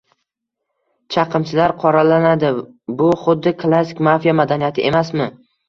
Chaqimchilar qoralanadi, bu xuddi klassik mafiya madaniyati emasmi?